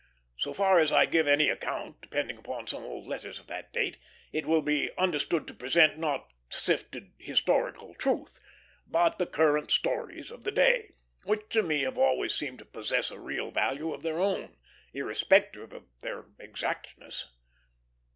So far as I give any account, depending upon some old letters of that date, it will be understood to present, not sifted historical truth, but the current stories of the day, which to me have always seemed to possess a real value of their own, irrespective of their exactness.